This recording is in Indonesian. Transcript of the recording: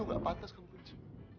ibu kamu tuh gak patas kamu benci